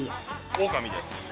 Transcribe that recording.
オオカミで。